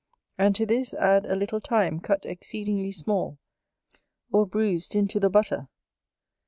And, to this, add a little thyme cut exceedingly small, or bruised into the butter.